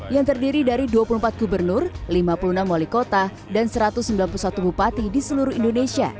yang terdiri dari dua puluh empat gubernur lima puluh enam wali kota dan satu ratus sembilan puluh satu bupati di seluruh indonesia